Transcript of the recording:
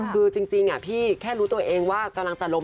คือจริงพี่แค่รู้ตัวเองว่ากำลังจะล้ม